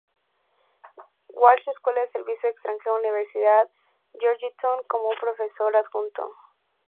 Walsh Escuela de Servicio Extranjero, Universidad Georgetown como profesor adjunto.